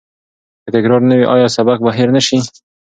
که تکرار نه وي، آیا سبق به هیر نه سی؟